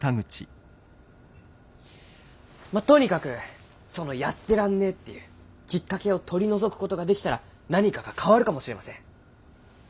とにかくその「やってらんねえ！」っていうきっかけを取り除く事ができたら何かが変わるかもしれません。